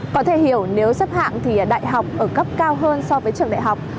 có thể hiểu nếu xếp hạng thì đại học ở cấp cao hơn so với trường đại học